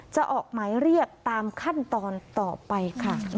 จะออกหมายเรียกตามขั้นตอนต่อไปค่ะ